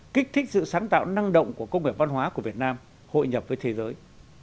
kích thích sự sáng tạo năng động của công nghiệp văn hóa của việt nam hội nhập với thế giới